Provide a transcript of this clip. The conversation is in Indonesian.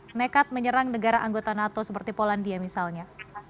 nekat menyerang negara anggota nato seperti polandia misalnya